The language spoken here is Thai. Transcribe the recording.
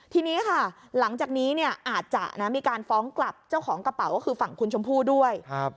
ทีนี้ค่ะหลังจากนี้เนี่ยอาจจะมีการฟ้องกลับเจ้าของกระเป๋าก็คือฝั่งคุณชมพู่ด้วย